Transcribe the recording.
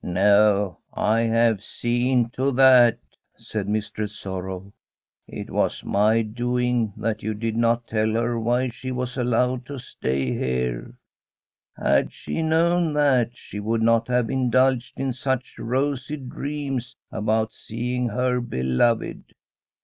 No, I have seen to that,' said Mistress Sor row. * It was my doing that you did not tell her From a SWEDISH HOMESTEAD why she was allowed to stay here. Had she known that, she would not have indulged in such rosy dreams about seeing her beloved.